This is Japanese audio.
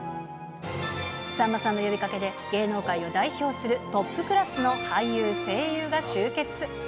さんまさんの呼びかけで、芸能界を代表するトップクラスの俳優、声優が集結。